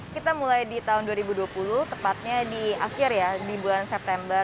kita mulai di tahun dua ribu dua puluh tepatnya di akhir ya di bulan september